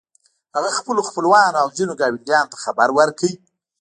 هغه خپلو خپلوانو او ځينو ګاونډيانو ته خبر ورکړ.